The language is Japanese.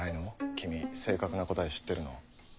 君正確な答え知ってるの？